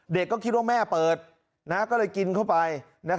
เด็กก็คิดว่าแม่เปิดก็เลยกินเข้าไป